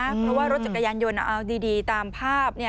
เพราะว่ารถจักรยานยนต์เอาดีตามภาพ